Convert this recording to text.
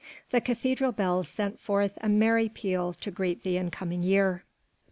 The cathedral bells sent forth a merry peal to greet the incoming year.